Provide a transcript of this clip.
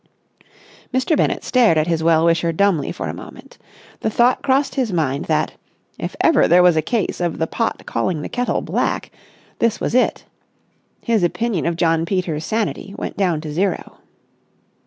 Mr. Bennett stared at his well wisher dumbly for a moment. The thought crossed his mind that, if ever there was a case of the pot calling the kettle black, this was it. His opinion of Jno. Peters' sanity went down to zero.